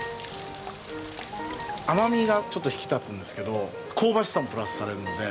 甘みがちょっと引き立つんですけど香ばしさもプラスされるので。